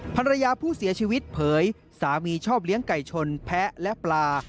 ภรรยาผู้เสียชีวิตเผยสามีชอบเลี้ยงไก่ชนแพ้และปลา